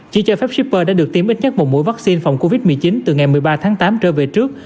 chỉ cho phép shipper đã được tiêm ít nhất một mũi vaccine phòng covid một mươi chín từ ngày một mươi ba tháng tám trở về trước